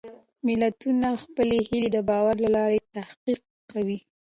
ملتونه خپلې هېلې د باور له لارې تحقق کوي.